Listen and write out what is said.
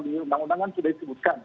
kemudian ada perkembangan sudah disebutkan